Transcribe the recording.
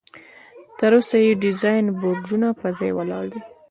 تر اوسه یې ډبرین برجونه پر ځای ولاړ دي.